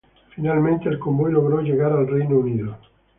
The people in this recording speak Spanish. Finalmente, el convoy logró llegar al Reino Unido.